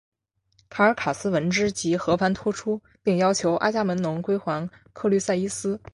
卡尔卡斯闻之即和盘托出并要求阿伽门侬归还克律塞伊斯。